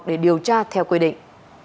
để điều tra theo quy định